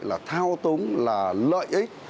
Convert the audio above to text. là thao túng là lợi ích